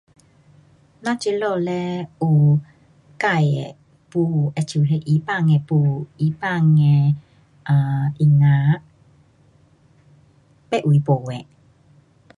咱这里嘞有自的舞，好像那 Iban 的舞，Iban 的 um 音乐，别位没的。